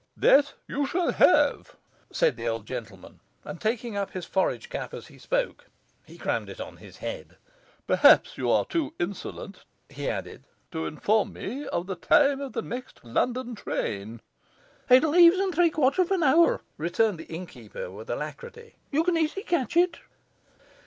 'That you shall have!' said the old gentleman, and, taking up his forage cap as he spoke, he crammed it on his head. 'Perhaps you are too insolent,' he added, 'to inform me of the time of the next London train?' 'It leaves in three quarters of an hour,' returned the innkeeper with alacrity. 'You can easily catch it.